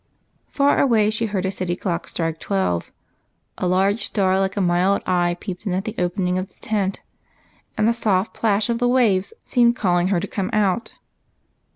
Far away she heard a city clock strike twelve ; a large star like a mild eye peeped in at the opening of the tent, and the soft plash of the waves seemed calling her to come out.